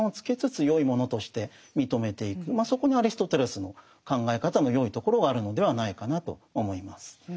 そこにアリストテレスの考え方のよいところがあるのではないかなと思います。